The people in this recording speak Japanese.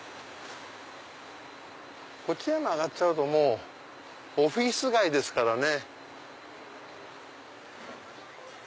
こっちへ曲がっちゃうともうオフィス街ですからね。